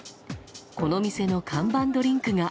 この店の看板ドリンクが。